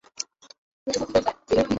এটি বাংলাদেশে নির্মিত প্রথম খ্রিস্টান গীর্জা।